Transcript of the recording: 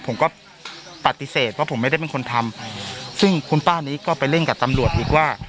ผมก็ปฏิเสธว่าผมไม่ได้เป็นคนทำซึ่งคุณป้านี้ก็ไปเล่นกับตำรวจอีกว่า